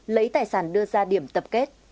lấy tài sản đưa ra điểm tập kết